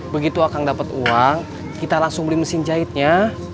bila aku mendapatkan uang kita bilang mesin jahitnya